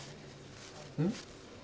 うん？